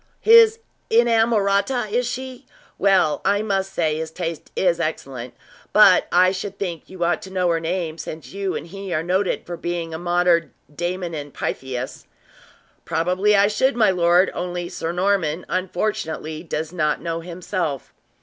His inamorata, is she? Well, I must say his taste is excellent; but I should think you ought to know her name, since you and he are noted for being a modern Damon and Pythias." "Probably I should, my lord, only Sir Norman, unfortunately, does not know himself."